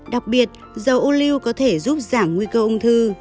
đặc biệt dầu ô lưu có thể giúp giảm nguy cơ ung thư